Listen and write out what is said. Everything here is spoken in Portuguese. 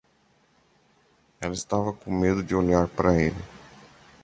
Ela estava com medo de olhar para ele.